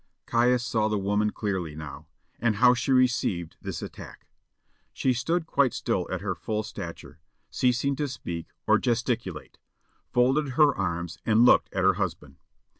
Caius saw the woman clearly now, and how she received this attack. She stood quite still at her full stature, ceasing to speak or to gesticulate, folded her arms and looked at her husband.